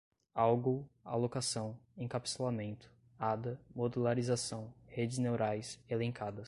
algol, alocação, encapsulamento, ada, modularização, redes neurais, elencadas